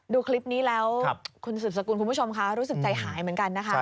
ดูคลิปนี้แล้วคุณสืบสกุลคุณผู้ชมค่ะรู้สึกใจหายเหมือนกันนะคะ